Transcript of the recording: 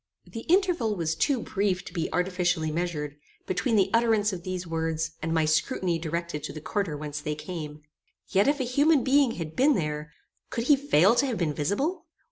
The interval was too brief to be artificially measured, between the utterance of these words, and my scrutiny directed to the quarter whence they came. Yet if a human being had been there, could he fail to have been visible?